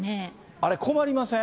あれ、困りません？